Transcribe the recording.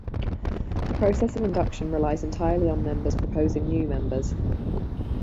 The process of induction relies entirely on members proposing new members.